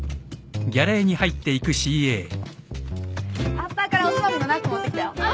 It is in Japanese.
アッパーからおつまみのナッツ持ってきたよ。